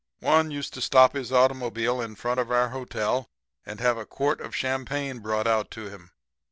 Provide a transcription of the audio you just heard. "One used to stop his automobile in front of our hotel and have a quart of champagne brought out to him.